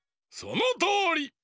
そのとおり！